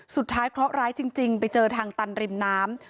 สุดท้ายเขาร้ายจริงไปเจอทางตานริมน้ำ